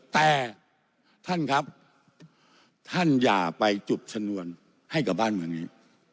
แต่ท่านครับท่านอย่าไปจุดชนวนให้กับบ้านเมืองนี้